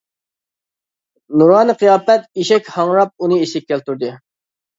نۇرانە قىياپەت. ئېشەك ھاڭراپ ئۇنى ئېسىگە كەلتۈردى.